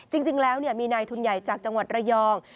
จริงแล้วมีนายทุนใหญ่จากจังหวัดระยอง